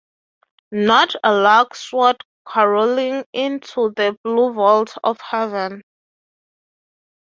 Not a lark soared carolling into the blue vault of heaven.